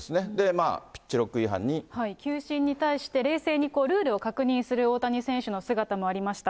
まあ、球審に対して、冷静にルールを確認する大谷選手の姿もありました。